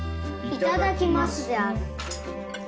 いただきますである。